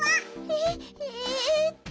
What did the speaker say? えっえっと。